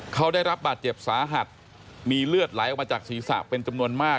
เขาได้รับบาดเจ็บสาหัสมีเลือดไหลออกมาจากศีรษะเป็นจำนวนมาก